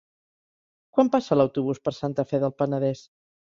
Quan passa l'autobús per Santa Fe del Penedès?